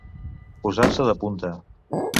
Posar-se de punta.